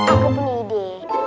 aku punya ide